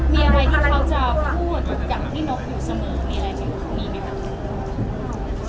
มีอะไรที่เค้าจะพูดทุกอย่างที่นกอยู่เสมอมีอะไรที่เค้ามีด้วยค่ะ